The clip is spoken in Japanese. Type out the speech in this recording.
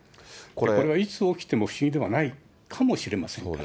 これはいつ起きても不思議ではないかもしれませんから。